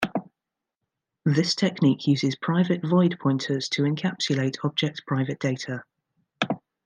This technique uses private void pointers to encapsulate object private data.